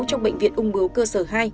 trong bệnh viện ung bướu cơ sở hai